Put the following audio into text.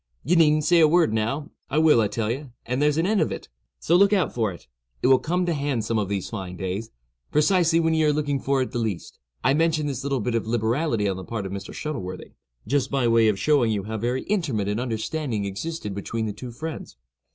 —ye needn't say a word now—I will, I tell ye, and there's an end of it; so look out for it—it will come to hand some of these fine days, precisely when ye are looking for it the least!" I mention this little bit of liberality on the part of Mr. Shuttleworthy, just by way of showing you how very intimate an understanding existed between the two friends.